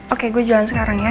oke gue jalan sekarang ya